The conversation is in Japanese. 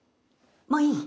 もういい？